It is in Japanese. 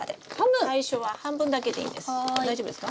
最初は半分だけでいいんです。